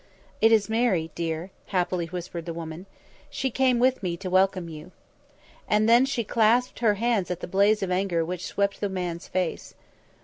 "It is Mary, dear," happily whispered the woman. "She came with me to welcome you." And then she clasped her hands at the blaze of anger which swept the man's face.